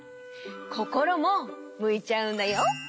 こころもむいちゃうんだよ。